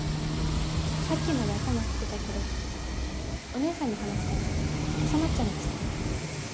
さっきまで頭来てたけどお姉さんに話したら収まっちゃいました。